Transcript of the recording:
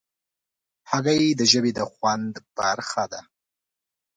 هګۍ د ژبې د خوند برخه ده.